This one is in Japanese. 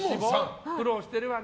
苦労しているわね